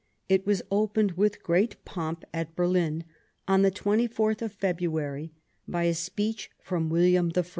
It was opened with great pomp at Berlin, on the 24th of February, by a speech from William I.